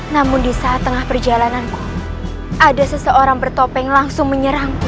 namun di saat tengah perjalananku ada seseorang bertopeng langsung menyerang